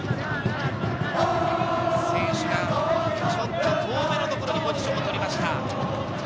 選手がちょっと遠めの所でポジションを取りました。